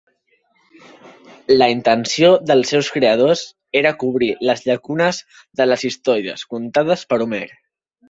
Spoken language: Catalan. La intenció dels seus creadors era cobrir les llacunes de les històries contades per Homer.